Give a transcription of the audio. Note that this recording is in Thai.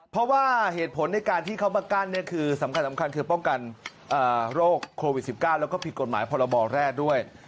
เพราะว่าเหตุผลในการที่เขามากั้นคือสำคัญคือป้องกันโรคโควิด๑๙แล้วก็ผิดกฎหมายพรบแรกด้วย